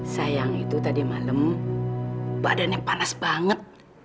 sayang itu tadi malam badannya panas banget